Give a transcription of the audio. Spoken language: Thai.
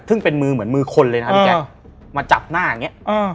ซึ่งเป็นมือเหมือนมือคนเลยนะครับพี่แจ๊คอืมมาจับหน้าอย่างเงี้ยอืม